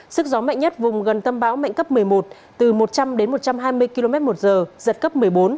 sức gió mạnh nhất vùng gần tâm bão mạnh cấp một mươi một từ một trăm linh đến một trăm hai mươi km một giờ giật cấp một mươi bốn